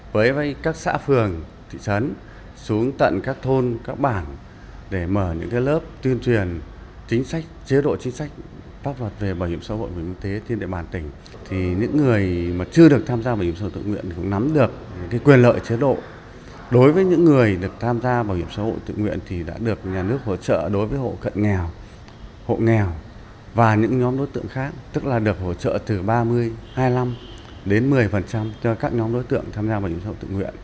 bảo hiểm xã hội tự nguyện đã được nhà nước hỗ trợ đối với hộ cận nghèo hộ nghèo và những nhóm đối tượng khác tức là được hỗ trợ từ ba mươi hai mươi năm đến một mươi cho các nhóm đối tượng tham gia bảo hiểm xã hội tự nguyện